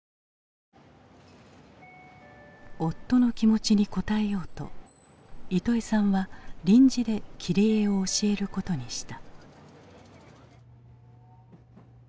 夫の気持ちに応えようとイトエさんは臨時で切り絵を教えることにした。